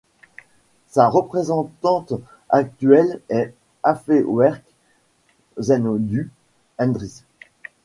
Sa représentante actuelle est Atfewerq Zewdu Endris.